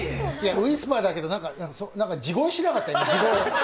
ウイスパーだけど、地声しなかった？